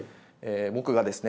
僕がですね